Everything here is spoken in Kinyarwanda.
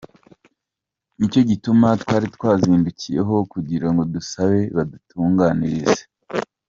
Ni co gituma twari twazindukiyeho kugira dusabe badutunganirize.